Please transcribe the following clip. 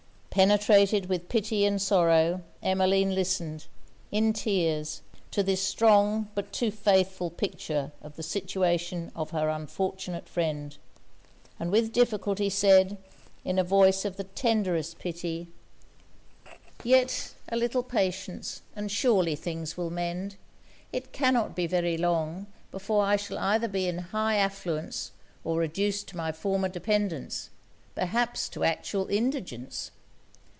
Penetrated with pity and sorrow, Emmeline listened, in tears, to this strong but too faithful picture of the situation of her unfortunate friend; and with difficulty said, in a voice of the tenderest pity 'Yet a little patience and surely things will mend. It cannot be very long, before I shall either be in high affluence or reduced to my former dependance; perhaps to actual indigence.